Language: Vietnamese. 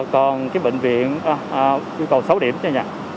còn cái bệnh viện yêu cầu sáu điểm nha